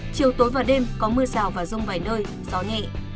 chiều tối và đêm có mưa rào và rông vài nơi gió nhẹ